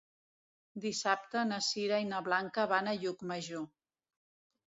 Dissabte na Sira i na Blanca van a Llucmajor.